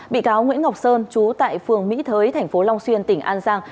bị cáo nguyễn ngọc sơn trú tại phường mỹ thới thành phố long xuyên tỉnh an giang